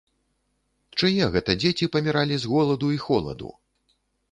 Чые гэта дзеці паміралі з голаду і холаду?